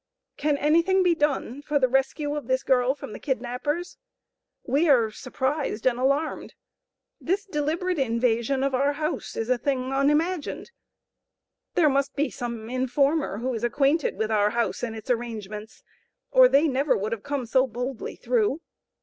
"Can anything be done for the rescue of this girl from the kidnappers? We are surprised and alarmed! This deliberate invasion of our house, is a thing unimagined. There must be some informer, who is acquainted with our house and its arrangements, or they never would have come so boldly through.